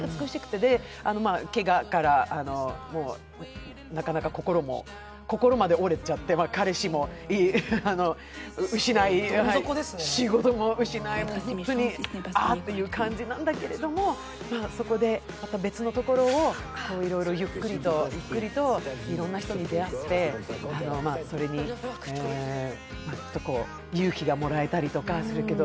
けがからなかなか心まで折れちゃって彼氏も失い、仕事も失い、本当にあっていう感じなんだけれども、そこでまた別のところを、ゆっくりとゆっくりといろんな人に出会って、それに勇気をもらえたりとか。